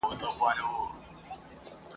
که منلې شل کلنه مي سزا وای ..